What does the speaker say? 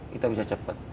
kita bisa cepet